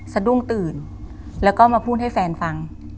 สะดุ้งตื่นแล้วก็มาพูดให้แฟนฟัง